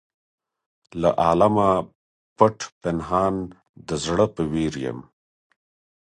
له عالمه پټ پنهان د زړه په ویر یم.